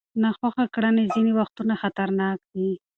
ناخوښه کړنې ځینې وختونه خطرناک دي.